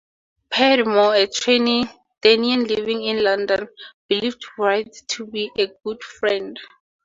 Padmore, a Trinidadian living in London, believed Wright to be a good friend.